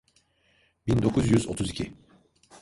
Bin dokuz yüz otuz iki.